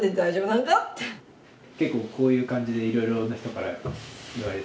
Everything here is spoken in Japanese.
結構こういう感じでいろいろな人から言われて？